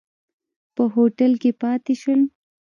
په هوټل کې پاتې شول.